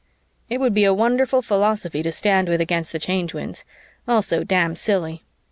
It would be a wonderful philosophy to stand with against the Change Winds. Also damn silly.